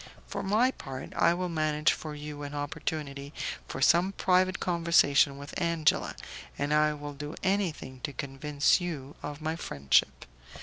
For my part, I will manage for you an opportunity for some private conversation with Angela, and I will do anything to convince you of my friendship.